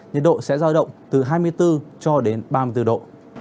nhiệt độ sẽ giao động từ hai mươi bốn cho đến ba mươi bốn độ